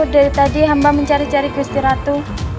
dari tadi hamba mencari cari gustiratu